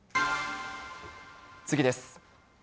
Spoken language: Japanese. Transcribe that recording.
次です。